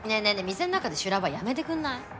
店の中で修羅場やめてくんない？